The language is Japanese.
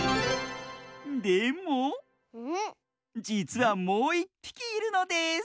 でもじつはもういっぴきいるのです！